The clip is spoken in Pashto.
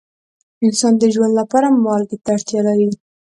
انسان د ژوند لپاره مالګې ته اړتیا لري.